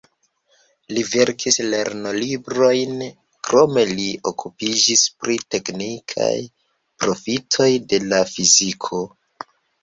Li verkis lernolibrojn, krome li okupiĝis pri teknikaj profitoj de la fiziko.